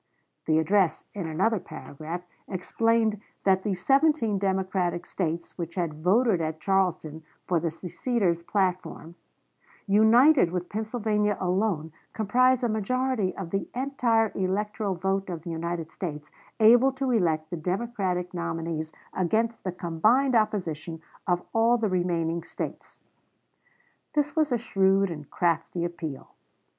The address, in another paragraph, explained that the seventeen Democratic States which had voted at Charleston for the seceders' platform, "united with Pennsylvania alone, comprise a majority of the entire electoral vote of the United States, able to elect the Democratic nominees against the combined opposition of all the remaining States." This was a shrewd and crafty appeal.